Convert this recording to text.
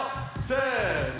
せの！